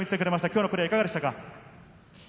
今日のプレーはいかがでしたか？